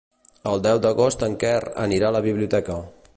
El deu d'agost en Quer anirà a la biblioteca.